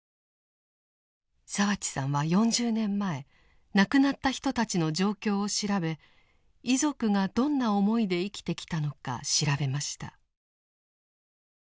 澤地さんは４０年前亡くなった人たちの状況を調べ遺族がどんな思いで生きてきたのか調べました。